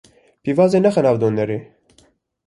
Pîvazê nexe nav donerê.